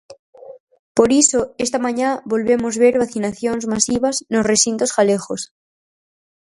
Por iso esta mañá volvemos ver vacinacións masivas nos recintos galegos.